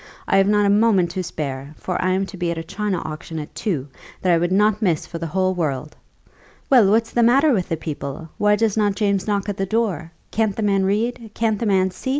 I have not a moment to spare; for I am to be at a china auction at two, that I would not miss for the whole world. Well, what's the matter with the people? Why does not James knock at the door? Can't the man read? Can't the man see?"